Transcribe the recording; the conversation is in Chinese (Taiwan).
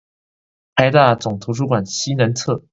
臺大總圖書館西南側